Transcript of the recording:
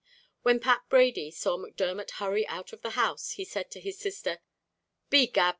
When Pat Brady saw Macdermot hurry out of the house, he said to his sister, "Begad!